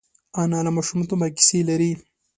انا له ماشومتوبه کیسې لري